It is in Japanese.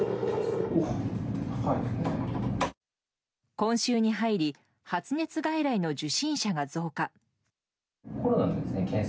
今週に入り発熱外来の受診者が増加。